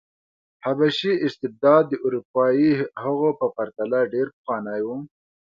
حبشي استبداد د اروپايي هغو په پرتله ډېر پخوانی و.